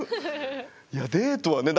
いやデートはね